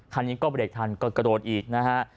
คันนี้ก็เบรกทันก็กระโดดอีกนะฮะ